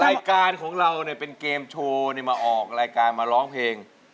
รายการของเราเนี่ยเป็นเกมโชว์มาออกรายการมาร้องเพลง